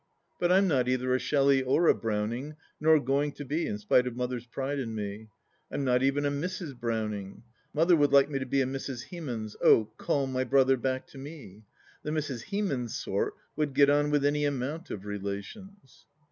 But I'm not either a Shelley or a Browning, nor going to be, in spite of Mother's pride in me. I'm not even a Mrs. Browning. Mother would like me to be a Mrs. Hemans —" Oh call my brother back to me I " The Mrs. Hemans sort would get on with any amount of relations.